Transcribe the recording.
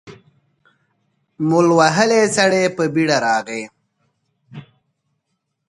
مول وهلی سړی په بېړه راغی.